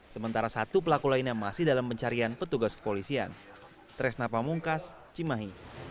sementara satu pelaku lainnya masih dalam pencarian petugas kepolisian